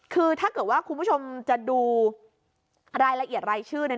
คือถ้าเกิดว่าคุณผู้ชมจะดูรายละเอียดรายชื่อ